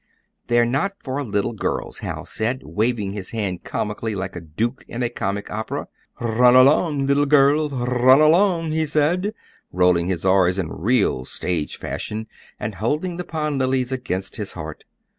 "They're not for little girls," Hal said, waving his hand comically, like a duke in a comic opera. "Run along, little girls, run along," he said, rolling his r's in real stage fashion, and holding the pond lilies against his heart.